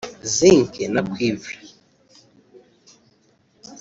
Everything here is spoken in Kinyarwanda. zinc na cuivre